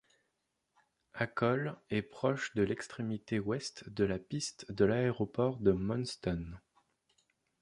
Acol est proche de l'extrémité ouest de la piste de l'Aéroport de Manston.